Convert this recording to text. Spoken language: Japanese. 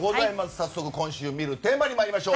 早速今週のみるテーマにまいりましょう。